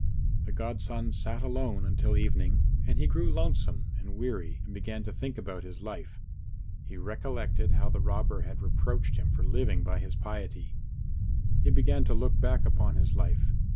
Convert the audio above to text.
The godson sat alone until evening and he grew lonesome and weary and began to think about his life. He recollected how the robber had reproached him for living by his piety. He began to look back upon his life.